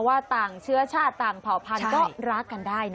ว่าต่างเชื้อชาติต่างเผาพันก็รักกันได้นะ